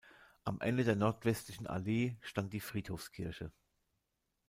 Am Ende der nordwestlichen Allee stand die Friedhofskirche.